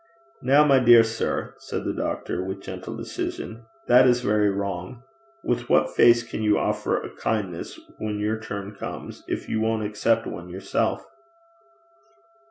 'Now, my dear sir,' said the doctor, with gentle decision, 'that is very wrong. With what face can you offer a kindness when your turn comes, if you won't accept one yourself?'